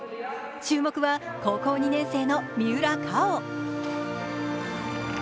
注目は高校２年生の三浦佳生。